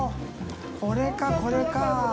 これか、これかぁ。